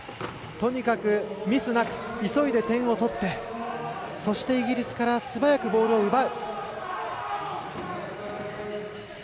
とにかくミスなく急いで点を取ってそして、イギリスから素早くボールを奪う。